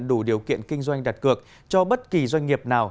đủ điều kiện kinh doanh đặt cược cho bất kỳ doanh nghiệp nào